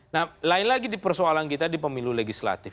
nah lain lagi di persoalan kita di pemilu legislatif